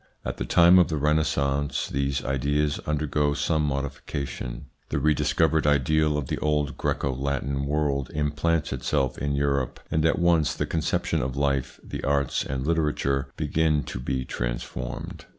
At the time of the Renaissance these ideas undergo some modification ; the rediscovered ideal of the old Greco Latin world implants itself in Europe, and at once the conception of life, the arts and literature begin to be transformed.